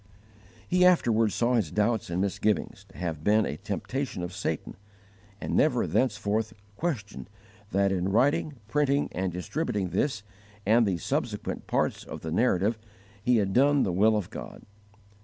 He afterward saw his doubts and misgivings to have been a temptation of Satan, and never thenceforth questioned that in writing, printing, and distributing this and the subsequent parts of the Narrative he had done the will of God.